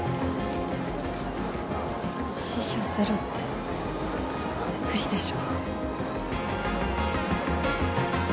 死者ゼロって無理でしょ